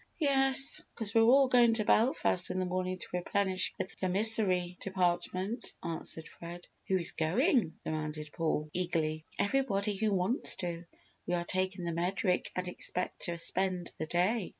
"Yes, 'cause we're all going to Belfast in the morning to replenish the commissary department," answered Fred. "Who's going?" demanded Paul, eagerly. "Everybody who wants to we are taking the Medric and expect to spend the day."